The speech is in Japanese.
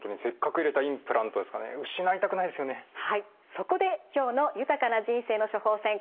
そこで今日の「豊かな人生の処方せん」